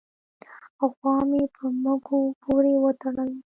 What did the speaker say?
غوا مې په مږوي پورې و تړله